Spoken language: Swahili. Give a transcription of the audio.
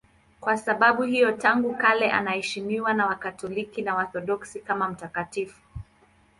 Kwa sababu hiyo tangu kale anaheshimiwa na Wakatoliki na Waorthodoksi kama mtakatifu.